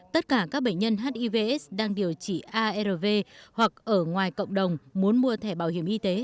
tất cả các bệnh nhân hivs đang điều trị arv hoặc ở ngoài cộng đồng muốn mua thẻ bảo hiểm y tế